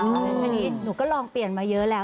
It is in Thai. อันนี้หนูก็ลองเปลี่ยนมาเยอะแล้ว